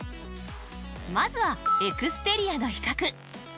まずはエクステリアの比較。